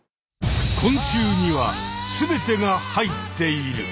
昆虫にはすべてが入っている！